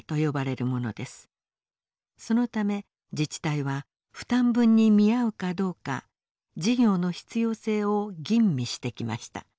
そのため自治体は負担分に見合うかどうか事業の必要性を吟味してきました。